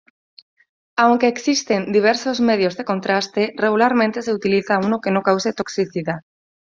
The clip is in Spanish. Aunque existen diversos medios de contraste, regularmente se utiliza uno que no cause toxicidad.